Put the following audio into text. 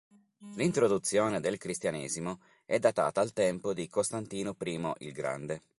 L'introduzione del cristianesimo è datata al tempo di Costantino I il Grande.